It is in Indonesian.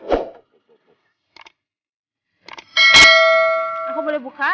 aku boleh buka